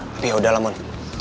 tapi yaudah lah mon